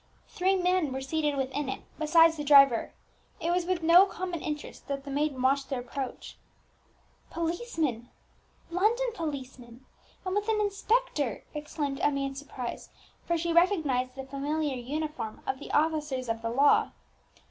Three men were seated within it, besides the driver. It was with no common interest that the maiden watched their approach. "Policemen! London policemen! and with an inspector!" exclaimed Emmie in surprise, for she recognized the familiar uniform of the officers of the law.